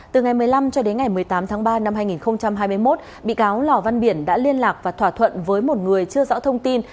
từ ngày một mươi năm cho đến ngày một mươi tám tháng ba năm hai nghìn hai mươi một bị cáo lò văn biển đã liên lạc và thỏa thuận với một người chưa rõ thông tin